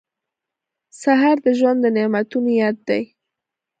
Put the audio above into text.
سهار د ژوند د نعمتونو یاد دی.